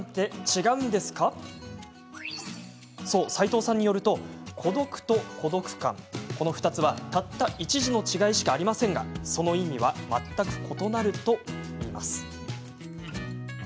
齋藤さんによりますと孤独と孤独感、この２つはたった一字の違いしかありませんがその意味は全く異なるといいます。